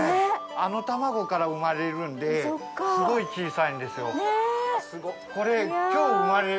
あの卵から生まれるんですごい小さいんですよ。ねぇ！